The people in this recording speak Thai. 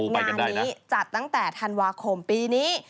งานนี้จัดตั้งแต่ธันวาคมปีนี้